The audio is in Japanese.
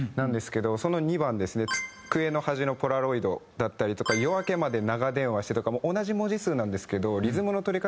その２番ですね「机の端のポラロイド」だったりとか「夜明けまで長電話して」とか同じ文字数なんですけどリズムの取り方が違うんですよ。